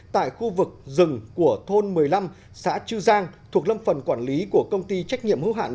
tại khu vực rừng của thôn một mươi năm xã chư giang thuộc lâm phần quản lý của công ty trách nhiệm hữu hạn